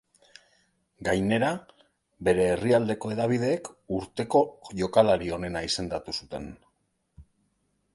Gainera, bere herrialdeko hedabideek urteko jokalari onena izendatu zuten.